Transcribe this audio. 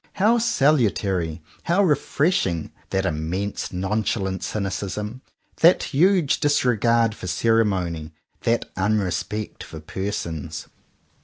How salutary, how refreshing, that immense nonchalant cynicism, that huge disregard for ceremony, that unrespect for persons!